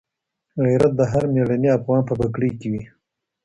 غیرت د هر مېړني افغان په پګړۍ کي وي.